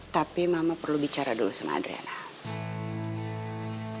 tapi mama perlu bicara dulu sama adrena